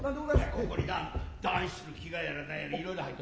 此処にな団七の着替やら何やらいろいろ入っとる。